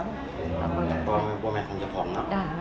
พวกมันคงจะพ้องเนาะ